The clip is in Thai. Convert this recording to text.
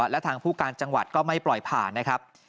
และทางผู้การจังหวัดก็ไม่ปล่อยผ่านนะครับ